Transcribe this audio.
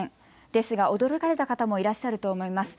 ですが驚かれた方もいらっしゃると思います。